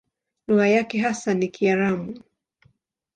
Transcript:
Lugha yake hasa ni Kiaramu.